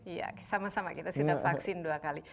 iya sama sama kita sudah vaksin dua kali